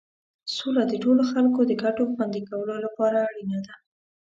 سوله د ټولو خلکو د ګټو خوندي کولو لپاره اړینه ده.